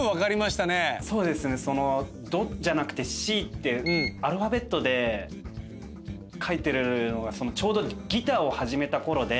そうですね「ド」じゃなくて「Ｃ」ってアルファベットで書いてるのがちょうどギターを始めたころで。